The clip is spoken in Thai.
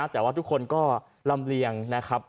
แต่ว่าทุกคนก็ลำเลียงนะครับ